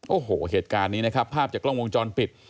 โอ้โหเหตุการณ์นี้นะครับภาพจากกล้องวงจรปิด